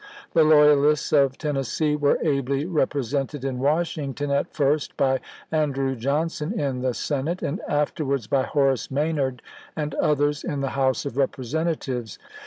The loyalists of Tennessee were ably represented in Washington, at first by Andrew Johnson in the Senate, and after wards by Horace Maynard and others in the House of Representatives.